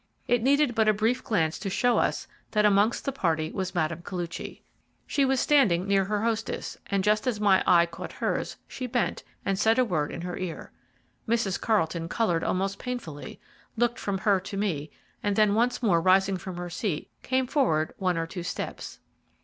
It needed but a brief glance to show us that amongst the party was Mme. Koluchy. She was standing near her hostess, and just as my eye caught hers she bent and said a word in her ear. Mrs. Carlton coloured almost painfully, looked from her to me, and then once more rising from her seat came forward one or two steps.